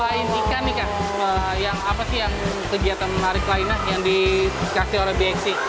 dan ini kan yang apa sih yang kegiatan menarik lainnya yang dikasih oleh bxc